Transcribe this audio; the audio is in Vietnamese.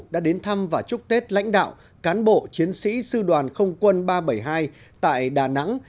đã đến thăm và chúc tết lãnh đạo cán bộ chiến sĩ sư đoàn không quân ba trăm bảy mươi hai tại đà nẵng